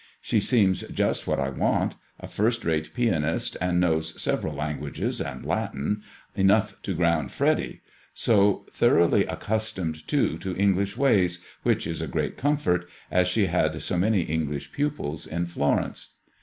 She seems just what I want: a first rate pianist, and knows several languages, and Latin enough to groimd Freddy. So thoroughly accustomed, too, to English ways — which is a great comfort — as she had so many English pupils in Florence."